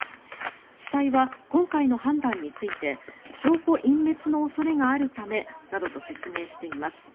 地裁は今回の判断について証拠隠滅の恐れがあるためなどと説明しています。